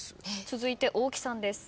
続いて大木さんです。